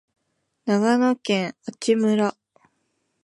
長野県阿智村